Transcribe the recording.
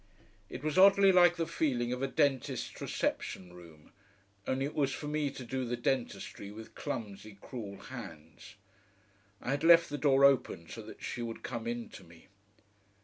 It was oddly like the feeling of a dentist's reception room; only it was for me to do the dentistry with clumsy, cruel hands. I had left the door open so that she would come in to me.